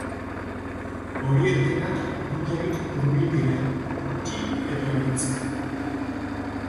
Horiek denak gutarik hurbil dira, guti edo anitz.